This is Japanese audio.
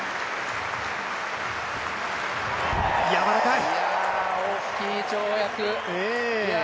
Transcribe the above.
やわらかい。